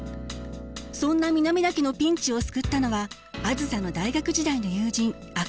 そんな南田家のピンチを救ったのはあづさの大学時代の友人赤松。